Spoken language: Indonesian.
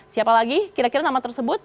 siapa lagi kira kira nama tersebut